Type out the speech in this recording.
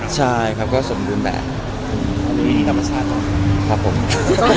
คราวนี้เราก็ดูแลเขาอยู่นี่